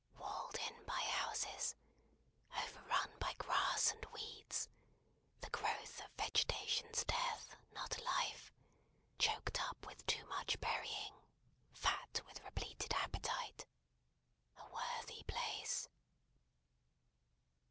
Walled in by houses; overrun by grass and weeds, the growth of vegetation's death, not life; choked up with too much burying; fat with repleted appetite. A worthy place!